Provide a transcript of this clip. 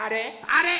あれ？